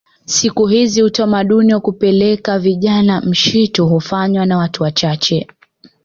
Siku hizi utamaduni wa kupeleka vijana mshitu hufanywa na watu wachache